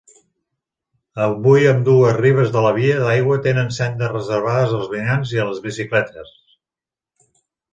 Avui ambdues ribes de la via d'aigua tenen sendes reservades als vianants i a les bicicletes.